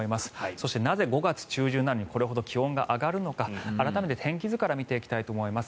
そしてなぜ５月中旬なのにこれほど気温が上がるのか改めて天気図から見ていきたいと思います。